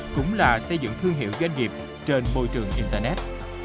cũng là xây dựng thương hiệu doanh nghiệp trên môi trường internet